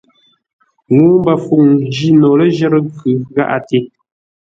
Ŋuu mbəfuŋ jî no lə̂ ləjərə́ nkʉ gháʼate.